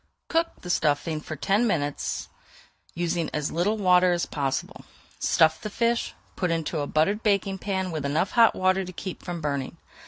Cook the stuffing for ten minutes, using as little water as possible. Stuff the fish, put into a buttered baking pan with enough hot water to keep from burning.